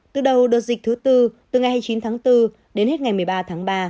từ đầu đợt dịch thứ tư từ ngày hai mươi chín tháng bốn đến hết ngày một mươi ba tháng ba